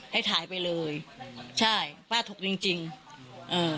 ให้ถ่ายไปเลยใช่ป้าถกจริงจริงเอ่อ